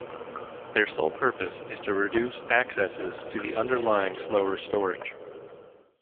Their sole purpose is to reduce accesses to the underlying slower storage.